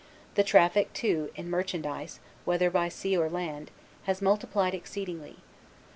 The traffic, too, in merchandise, whether by sea or land, has multiplied exceedingly.